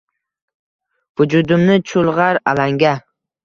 Vujudimni chulg’ar alanga